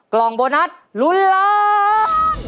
กล่องโบนัสลุ้นล้าน